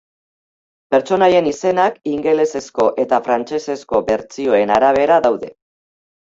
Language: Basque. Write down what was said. Pertsonaien izenak ingelesezko eta frantsesezko bertsioen arabera daude.